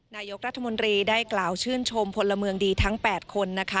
นายกรัฐมนตรีได้กล่าวชื่นชมพลเมืองดีทั้ง๘คนนะคะ